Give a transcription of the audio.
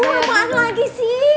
aduh apaan lagi sih